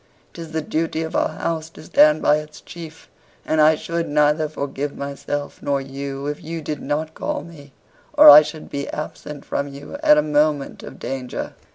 'Tis the duty of our house to stand by its chief; and I should neither forgive myself nor you if you did not call me, or I should be absent from you at a moment of danger."